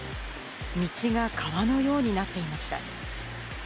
道が川のようになっていました。